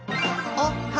おっは！